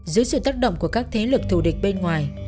dưới sự tác động của các thế lực thù địch bên ngoài